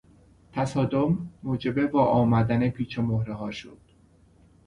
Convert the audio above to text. تصادم موجب واآمدن پیچ و مهرهها شد.